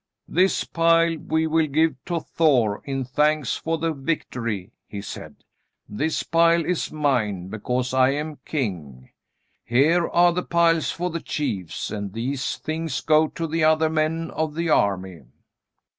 "This pile we will give to Thor in thanks for the victory," he said. "This pile is mine because I am king. Here are the piles for the chiefs, and these things go to the other men of the army."